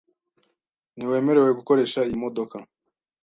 Ntiwemerewe gukoresha iyi modoka.